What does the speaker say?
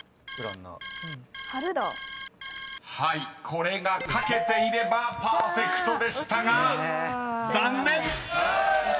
これが書けていればパーフェクトでしたが残念！］